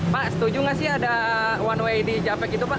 pak setuju gak sih ada one way di jakarta cikampek itu pak